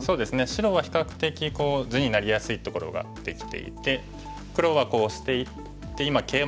白は比較的地になりやすいところができていて黒はオシていって今ケイマしたところですね。